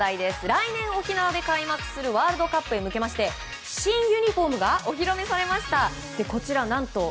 来年、沖縄で開幕するワールドカップへ向けまして新ユニホームがお披露目されました。